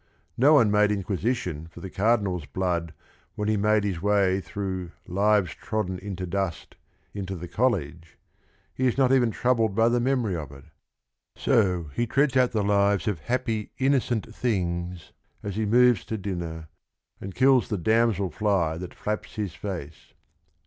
No one made inquisition for the Cardinal's blood when he made his way through "lives trodden into dust," into the College; he is not even troubled by the memory of it. So he treads out the lives of happy innocent things, as he moves to dinner, and kills the damsel fly that flaps his face.